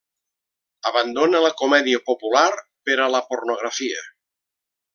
Abandona la comèdia popular per a la pornografia.